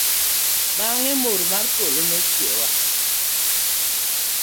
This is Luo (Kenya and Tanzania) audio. Bang'e, mor mar polo nochiewa.